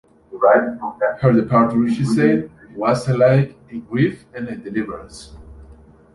Her departure, she said, was "alike a grief and a deliverance".